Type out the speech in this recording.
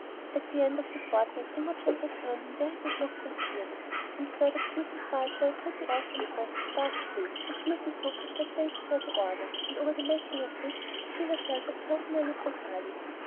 At the end of the fortnight Imogen returned in very good looks and spirits; and further beautified by a pretty autumn dress of dark blue, which Mrs. Hope had persuaded her to order, and over the making of which she herself had personally presided.